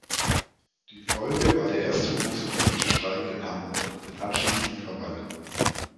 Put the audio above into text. Die Folge war der erste große politische Streik in Hamburg, mit anschließenden Krawallen.